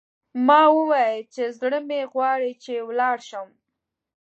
ما وویل چې، زړه مې غواړي چې ولاړ شم.